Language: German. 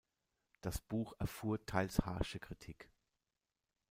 Das Buch erfuhr teils harsche Kritik.